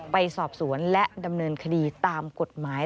ไปสอบสวนและดำเนินคดีตามกฎหมาย